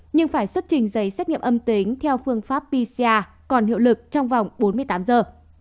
nhưng phải xuất trình giấy xét nghiệm âm tính theo phương pháp pcr còn hiệu lực trong vòng bốn mươi tám giờ